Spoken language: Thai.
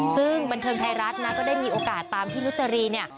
ซึ่งบันเทิงไทยรัฐนะก็ได้มีโอกาสตามพี่นุจรีเนี่ย